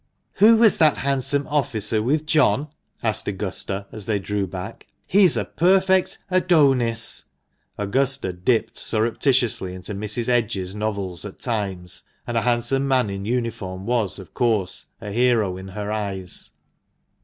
"Who was that handsome officer with John?" asked Augusta, as they drew back; "he's a perfect Adonis." (Augusta dipped surreptitiously into Mrs. Edge's novels at times, and a handsome man in uniform was, of course, a hero in her eyes.)